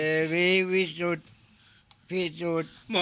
คนตำรวจแพงหมูแพงนะ